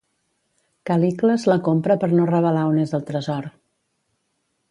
Calicles la compra per no revelar on és el tresor.